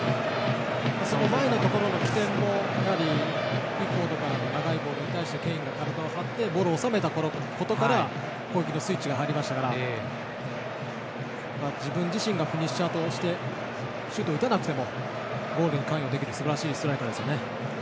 前のところの起点もピックフォードからの長いボールをケインが体を張ってボールを収めたことからスイッチが入りましたから自分自身がフィニッシャーとしてシュートを打たなくてもゴールに関与できるすばらしいストライカーですね。